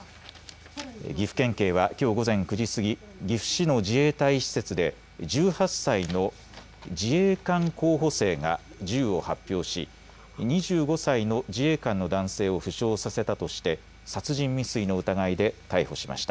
岐阜県警はきょう午前９時過ぎ岐阜市の自衛隊施設で１８歳の自衛官候補生が銃を発砲し２５歳の自衛官の男性を負傷させたとして殺人未遂の疑いで逮捕しました。